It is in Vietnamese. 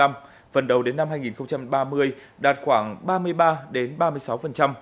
phần đầu đến năm hai nghìn ba mươi đạt khoảng ba mươi ba ba mươi sáu